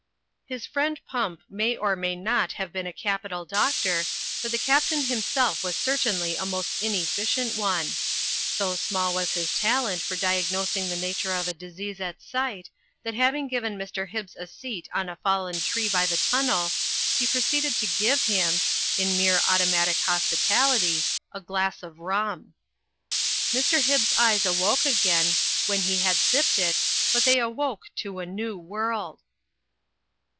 His friend Pump may or may not have been a capital doctor, but the Captain himself was certainly a most inefficient one. So small was his talent for diagnosing the nature of a disease at sight, that having given Mr. Hibbs a seat on a fallen tree by the tunnel, he proceeded to give him (in mere automatic hospi tality) a glass of rum. Digitized by CjOOQ IC 154 THE FLYING INN Mr. Hibbs's eyes awoke again, when he had sipped it, but they awoke to a new world.